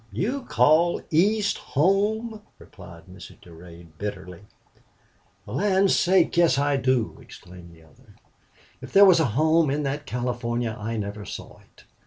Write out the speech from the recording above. "You call East home!" replied Mrs. Durade, bitterly. "For land's sake! Yes, I do," exclaimed the other. "If there was a home in that California, I never saw it.